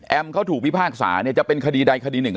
แอมม์เขาถูกพิพากษาจะเป็นคดีใดคดีหนึ่ง